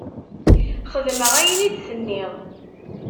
Xedmeɣ ayen i d-tenniḍ.